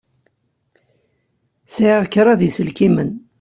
Sɛiɣ kraḍ n yiselkimen.